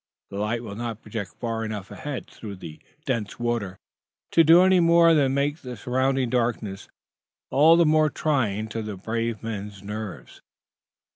The light will not project far enough ahead, through the dense water, to do any more than make the surrounding darkness all the more trying to brave men's nerves.